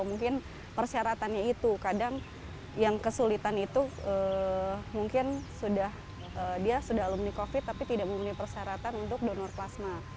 mungkin persyaratannya itu kadang yang kesulitan itu mungkin sudah dia sudah alumni covid tapi tidak memenuhi persyaratan untuk donor plasma